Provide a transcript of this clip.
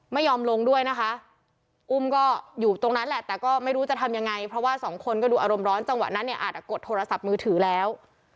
ไม่ยอมลงด้วยนะคะอุ้มก็อยู่ตรงนั้นแหละแต่ก็ไม่รู้จะทำยังไงเพราะว่าสองคนก็ดูอารมณ์ร้อนจังหวะนั้นเนี่ยอาจกดโทรศัพท์มือถือแล้ว